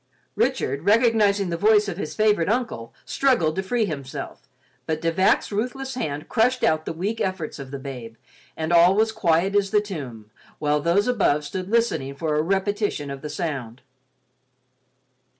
Richard, recognizing the voice of his favorite uncle, struggled to free himself, but De Vac's ruthless hand crushed out the weak efforts of the babe, and all was quiet as the tomb, while those above stood listening for a repetition of the sound.